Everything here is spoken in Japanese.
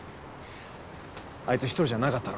あいつ１人じゃなかったろ。